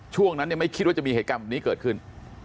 ช่วงนั้นไม่คิดว่าจะมีเหตุการณ์แบบนี้เกิดขึ้น